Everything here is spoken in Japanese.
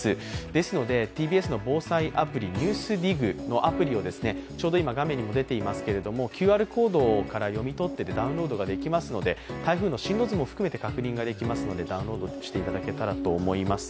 ですので、ＴＢＳの防災アプリ「ＮＥＷＳＤＩＧ」のアプリを、今画面に出ていますけど、ＱＲコードから読み取っていただいてダウンロードができますので、台風の進路図も確認ができますので、ダウンロードしていただけたらと思います。